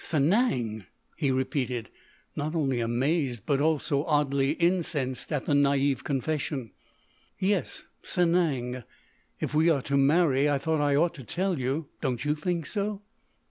"Sanang!" he repeated, not only amazed but also oddly incensed at the naïve confession. "Yes, Sanang.... If we are to marry, I thought I ought to tell you. Don't you think so?"